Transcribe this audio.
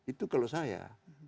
itu kalau saya